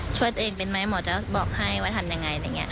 ช่วยตัวเองเป็นไหมหมอจะบอกให้ว่าทำยังไงอะไรอย่างนี้